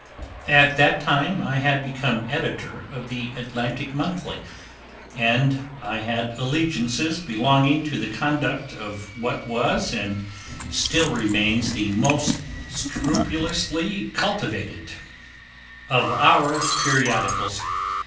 At that time I had become editor of The Atlantic Monthly, and I had allegiances belonging to the conduct of what was and still remains the most scrupulously cultivated of our periodicals.